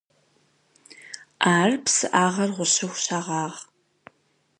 Ар псыӏагъэр гъущыху щагъагъ.